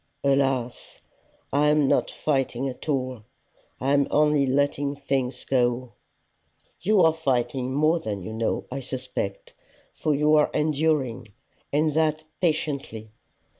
"Alas! I am not fighting at all; I am only letting things go." "You are fighting more than you know, I suspect, for you are enduring, and that patiently.